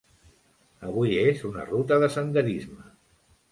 Avui és una ruta de senderisme.